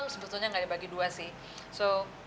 sebetulnya nggak dibagi dua sih